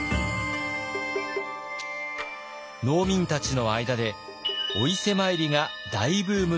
農民たちの間でお伊勢参りが大ブームとなりました。